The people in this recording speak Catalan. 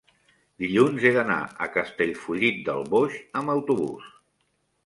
dilluns he d'anar a Castellfollit del Boix amb autobús.